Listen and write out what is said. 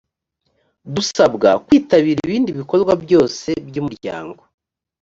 dusabwa kwitabira ibindi bikorwa byose by’umuryango